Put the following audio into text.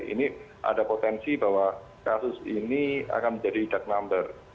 ini ada potensi bahwa kasus ini akan menjadi deck number